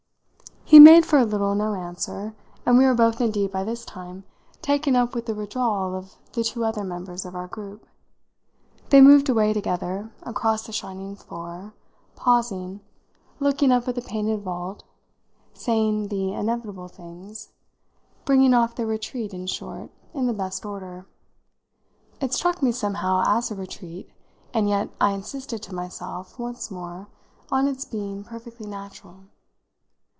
He made for a little no answer, and we were both indeed by this time taken up with the withdrawal of the two other members of our group. They moved away together across the shining floor, pausing, looking up at the painted vault, saying the inevitable things bringing off their retreat, in short, in the best order. It struck me somehow as a retreat, and yet I insisted to myself, once more, on its being perfectly natural.